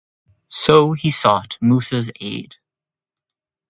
So he sought Musa's aid.